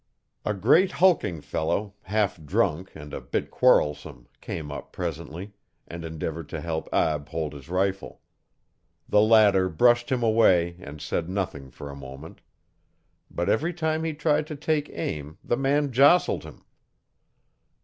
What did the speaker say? A great hulking fellow, half drunk and a bit quarrelsome, came up, presently, and endeavoured to help Ab hold his rifle. The latter brushed him away and said nothing for a moment. But every time he tried to take aim the man jostled him.